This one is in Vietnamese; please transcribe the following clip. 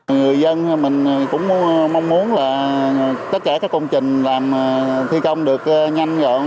người dân mình cũng mong muốn là tất cả các công trình làm thi công được nhanh gọn